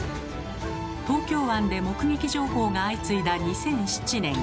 東京湾で目撃情報が相次いだ２００７年。